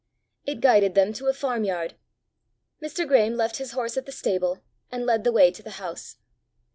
It guided them to a farm yard. Mr. Graeme left his horse at the stable, and led the way to the house.